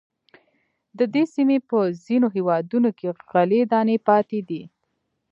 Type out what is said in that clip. د دې سیمې په ځینو هېوادونو کې غلې دانې پاتې دي.